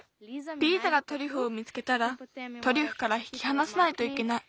リーザがトリュフを見つけたらトリュフからひきはなさないといけない。